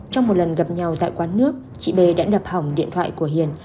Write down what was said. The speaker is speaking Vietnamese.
trong một lần gặp nhau tại quán nước chị b đã đập hỏng điện thoại của hiền